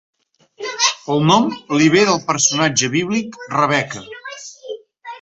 El nom li ve del personatge bíblic Rebeca.